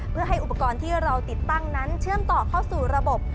เพื่อให้อุปกรณ์ที่เราติดตั้งนั้นเชื่อมต่อเข้าสู่ระบบ